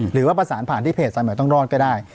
หรือว่าประสานผ่านที่เพจสายใหม่ต้องรอดก็ได้